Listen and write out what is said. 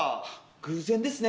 偶然ですね。